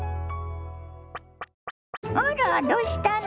あらどうしたの？